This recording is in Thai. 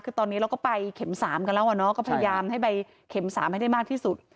คือตอนนี้เราก็ไปเข็ม๓กันแล้วอะเนาะก็พยายามให้ไปเข็ม๓ให้ได้มากที่สุด